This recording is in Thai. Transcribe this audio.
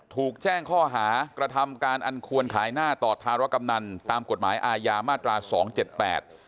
ถูกแจ้งข้อหากระทำการอันควรขายหน้าต่อธารกำนันตามกฎหมายอาญามาตราสองเจ็ดแปด